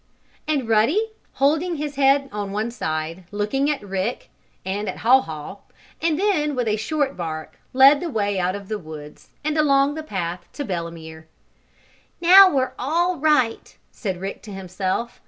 And Ruddy, holding his head on one side, looked at Rick and at Haw Haw and then, with a short bark, led the way out of the woods, and along the path to Belemere. "Now we're all right," said Rick to himself.